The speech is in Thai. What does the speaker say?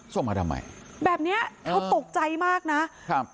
ส่งมาทำไมแบบเนี้ยเขาตกใจมากนะครับ